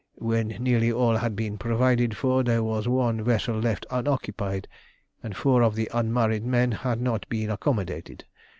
"When nearly all had been provided for, there was one vessel left unoccupied, and four of the unmarried men had not been accommodated.